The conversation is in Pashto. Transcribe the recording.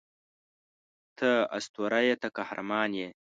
ته اسطوره یې ته قهرمان یې